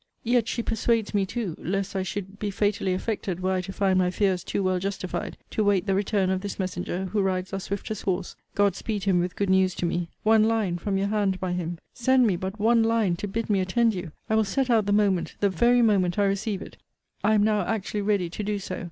Yet she persuades me too, (lest I should be fatally affected were I to find my fears too well justified,) to wait the return of this messenger, who rides our swiftest horse. God speed him with good news to me One line from your hand by him! Send me but one line to bid me attend you! I will set out the moment, the very moment I receive it. I am now actually ready to do so!